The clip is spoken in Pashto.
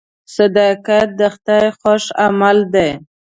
صداقت د خدای خوښ عمل دی.